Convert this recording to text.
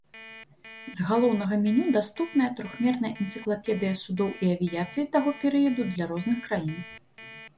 З галоўнага меню даступная трохмерная энцыклапедыя судоў і авіяцыі таго перыяду для розных краін.